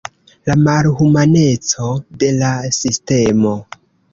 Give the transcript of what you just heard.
La malhumaneco de la sistemo.